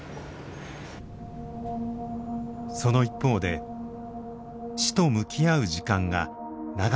その一方で死と向き合う時間が長くなっています。